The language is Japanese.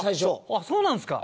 あっそうなんですか。